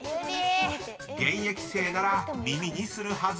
［現役生なら耳にするはず］